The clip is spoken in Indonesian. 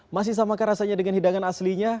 masih samakah rasanya dengan hidangan aslinya